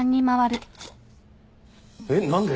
えっ何で？